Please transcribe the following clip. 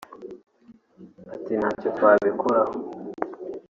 Ati “Ntacyo twabikoraho